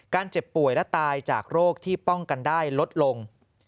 เจ็บป่วยและตายจากโรคที่ป้องกันได้ลดลง